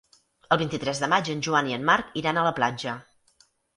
El vint-i-tres de maig en Joan i en Marc iran a la platja.